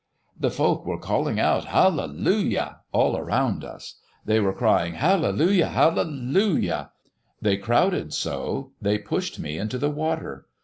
The folk were calling out 'Hallelujah!' all about us. They were crying 'Hallelujah! Hallelujah!' They crowded so they pushed me into the water.